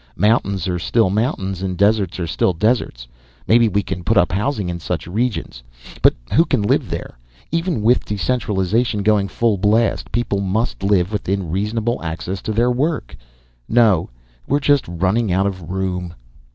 Mountains are still mountains and deserts are still deserts. Maybe we can put up housing in such regions, but who can live there? Even with decentralization going full blast, people must live within reasonable access to their work. No, we're just running out of room."